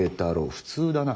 普通だな。